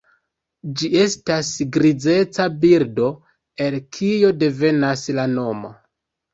Ĝi estas grizeca birdo, el kio devenas la nomo.